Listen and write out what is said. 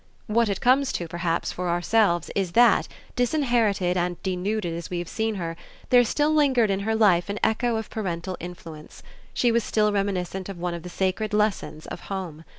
What it comes to perhaps for ourselves is that, disinherited and denuded as we have seen her, there still lingered in her life an echo of parental influence she was still reminiscent of one of the sacred lessons of home.